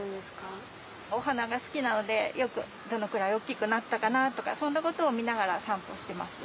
おはながすきなのでよくどのくらいおおきくなったかなとかそんなことをみながらさんぽしてます。